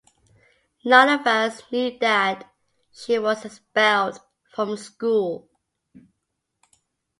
None of us knew that she was expelled from school.